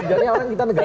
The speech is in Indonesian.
jadi orang kita negara